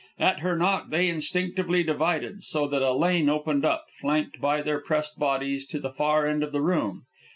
At her knock they instinctively divided, so that a lane opened up, flanked by their pressed bodies, to the far end of the room.